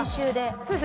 そうですね。